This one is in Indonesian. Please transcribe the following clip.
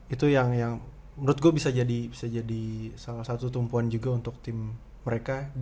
itu yang menurut gue bisa jadi salah satu tumpuan juga untuk tim mereka